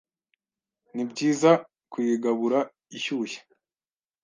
ni byiza kuyigabura ishyushye